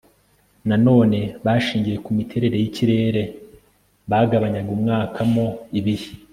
nanone bashingiye ku miterere y'ikirere bagabanyaga umwaka mo ibihe